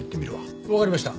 わかりました。